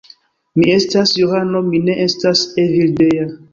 Mi estas Johano, mi ne estas Evildea.